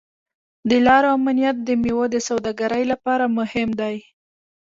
د لارو امنیت د میوو د سوداګرۍ لپاره مهم دی.